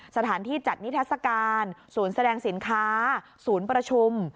สถานที่จัดนิทัศกาลศูนย์แสดงสินค้าศูนย์ประชุม